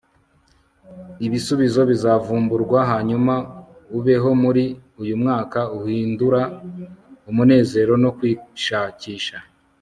ibisubizo bizavumburwa hanyuma ubeho muri uyumwaka uhindura umunezero no kwishakisha